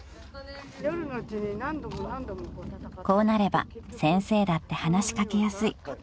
［こうなれば先生だって話し掛けやすい］